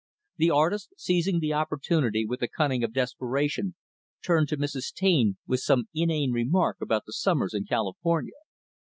The artist, seizing the opportunity with the cunning of desperation, turned to Mrs. Taine, with some inane remark about the summers in California.